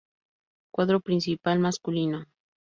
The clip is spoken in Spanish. Cuadro principal masculino